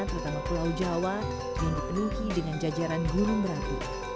terutama pulau jawa yang dipenuhi dengan jajaran gunung merapi